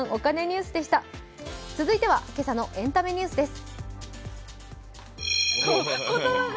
続いては今朝のエンタメニュースです。